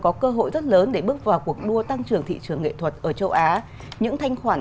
có cơ hội rất lớn để bước vào cuộc đua tăng trưởng thị trường nghệ thuật ở châu á những thanh khoản